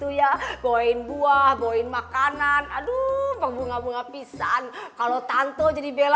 oh mondi bawain makanan ya buat bella tante